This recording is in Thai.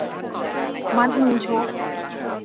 มัดมือชก